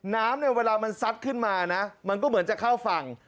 น้ำเนี่ยเวลามันซัดขึ้นมานะมันก็เหมือนจะเข้าฝั่ง